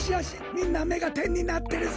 みんなめがてんになってるぞ！